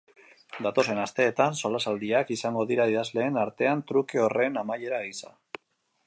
Datozen asteetan solasaldiak izango dira idazleen artean truke horren amaiera gisa.